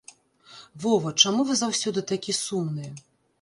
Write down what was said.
Вова, чаму вы заўсёды такі сумны?